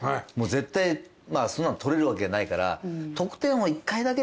絶対そんなの取れるわけないから。